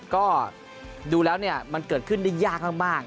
ก็ดูแล้วมันเกิดขึ้นได้ยากมาก